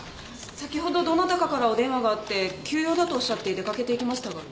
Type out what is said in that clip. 先ほどどなたかからお電話があって急用だとおっしゃって出掛けていきましたが。